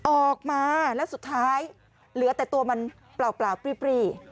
ออกมาแล้วสุดท้ายเหลือแต่ตัวมันเปล่าปรี